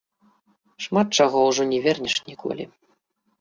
Шмат чаго ужо не вернеш ніколі.